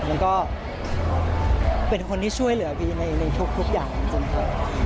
แล้วก็เป็นคนที่ช่วยเหลือบีในทุกอย่างจริงครับ